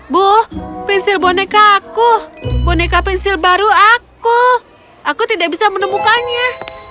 bu pensil boneka aku boneka pensil baru aku aku tidak bisa menemukannya